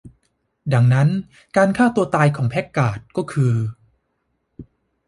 ดังนั้นการฆ่าตัวตายของแพคการ์ดก็คือ